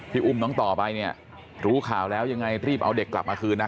อุ้มน้องต่อไปเนี่ยรู้ข่าวแล้วยังไงรีบเอาเด็กกลับมาคืนนะ